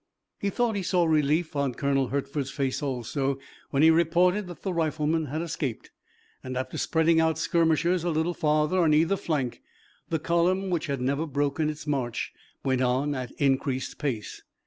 He thought he saw relief on Colonel Hertford's face also, when he reported that the riflemen had escaped, and, after spreading out skirmishers a little farther on either flank, the column, which had never broken its march, went on at increased pace.